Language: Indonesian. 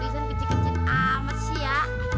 tulisan kecik kecik amat sih ya